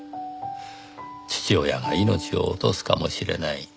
父親が命を落とすかもしれない。